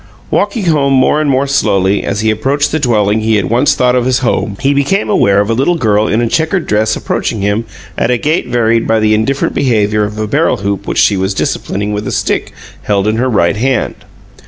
Walking more and more slowly, as he approached the dwelling he had once thought of as home, he became aware of a little girl in a checkered dress approaching him at a gait varied by the indifferent behavior of a barrel hoop which she was disciplining with a stick held in her right hand.